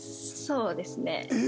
そうですね。